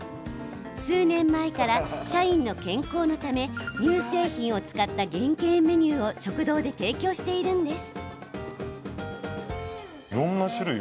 数年前から社員の健康のため乳製品を使った減塩メニューを食堂で提供しているんです。